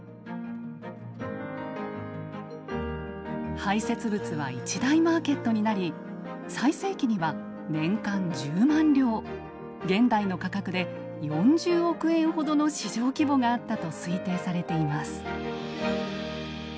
排せつ物は一大マーケットになり最盛期には年間１０万両現代の価格で４０億円ほどの市場規模があったと推定されています。